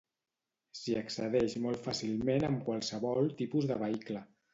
S'hi accedeix molt fàcilment amb qualsevol tipus de vehicle.